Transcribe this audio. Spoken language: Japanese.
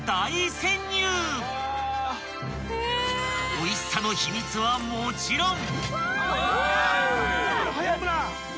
［おいしさの秘密はもちろん］